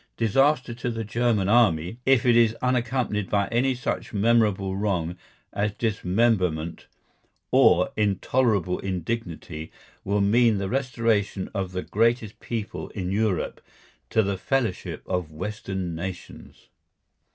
Disaster to the German Army, if it is unaccompanied by any such memorable wrong as dismemberment or intolerable indignity, will mean the restoration of the greatest people in Europe to the fellowship of Western nations.